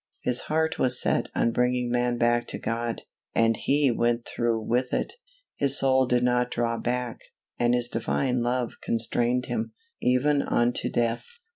His heart was set on bringing man back to God, and He went through with it. His soul did not draw back, and His Divine love constrained Him, even onto death.